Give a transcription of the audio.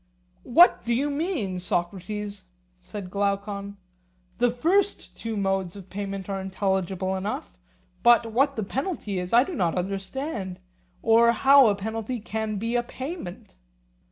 What do you mean, Socrates? said Glaucon. The first two modes of payment are intelligible enough, but what the penalty is I do not understand, or how a penalty can be a payment.